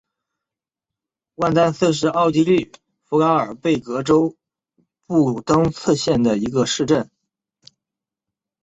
万丹斯是奥地利福拉尔贝格州布卢登茨县的一个市镇。